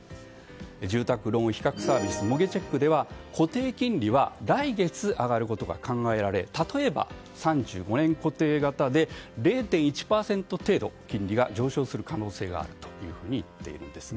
住宅ローン比較サービスモゲチェックでは固定金利は来月上がることが考えられると例えば、３５年固定型で０．１％程度金利が上昇する可能性があるというふうに言っているんですね。